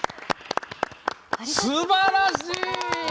すばらしい！